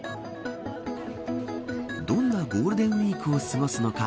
どんなゴールデンウイークを過ごすのか。